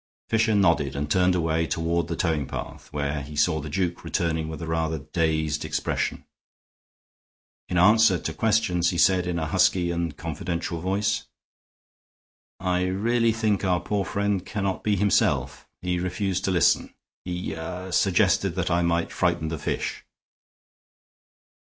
Fisher nodded and turned away toward the towing path, where he saw the duke returning with a rather dazed expression. In answer to questions he said, in a husky and confidential voice: "I really think our poor friend cannot be himself. He refused to listen; he ah suggested that I might frighten the fish."